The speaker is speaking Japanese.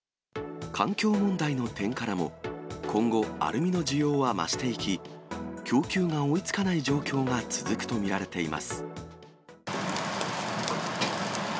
環境問題の点からも、今後、アルミの需要は増していき、供給が追いつかない状況が続くと見られています。